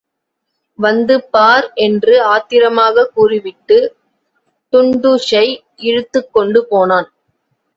வந்து பார் என்று ஆத்திரமாகக் கூறிவிட்டு, டுன்டுஷை இழுத்துக் கொண்டு போனான்.